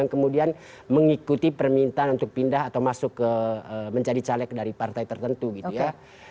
kemudian mengikuti permintaan untuk pindah atau masuk ke menjadi caleg dari partai tertentu gitu ya